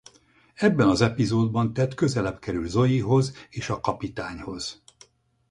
Ebben az epizódban Ted közelebb kerül Zoeyhoz és a Kapitányhoz.